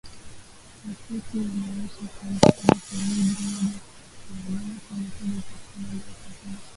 Tafiti zinaonyesha kwamba hadi theluthi moja ya wanyama kwenye kundi hupata ugonjwa huu